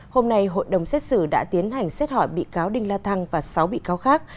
hôm nay hội đồng xét xử đã tiến hành xét hỏi bị cáo đinh la thăng và sáu bị cáo khác